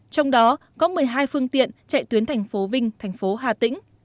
trong đó có một mươi hai phương tiện chạy tuyến thành phố vinh thành phố hà tĩnh